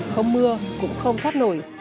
không mưa cũng không thoát nổi